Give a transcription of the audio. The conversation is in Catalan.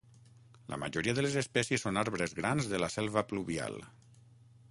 La majoria de les espècies són arbres grans de la selva pluvial.